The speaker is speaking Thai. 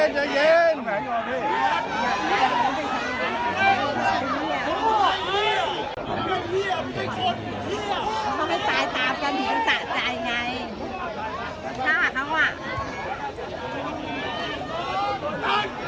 โมง์เทรนดิสจ์พยหนตรดิสจ์